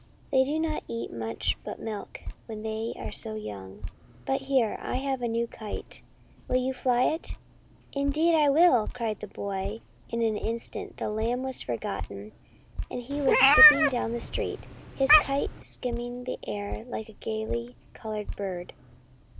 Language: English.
" They do not eat much but milk when they are so young. But here, I have a new kite ; will you fly it ?"" Indeed I will," cried the boy, and in an instant the lamb was forgotten, and he was skipping down the street, his kite skimming the air like a gaily coloured bird.